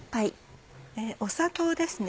砂糖ですね。